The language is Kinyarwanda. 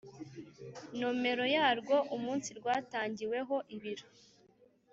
nomero yarwo umunsi rwatangiweho ibiro